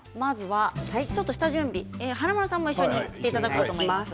下準備、華丸さんも一緒にしていただこうと思います。